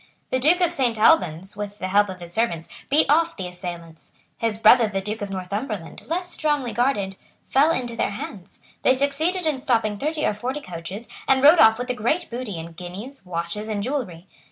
The Duke of Saint Albans, with the help of his servants, beat off the assailants. His brother the Duke of Northumberland, less strongly guarded, fell into their hands. They succeeded in stopping thirty or forty coaches, and rode off with a great booty in guineas, watches and jewellery.